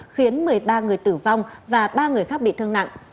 khiến một mươi ba người tử vong và ba người khác bị thương nặng